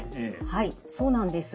はいそうなんです。